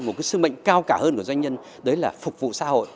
một cái sứ mệnh cao cả hơn của doanh nhân đấy là phục vụ xã hội